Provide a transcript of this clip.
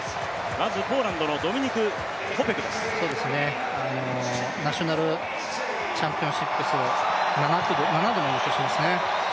まずポーランドのドミニク・コペクナショナルチャンピオンシップスを７度も優勝していますね。